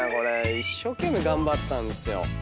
一生懸命頑張ったんですよ。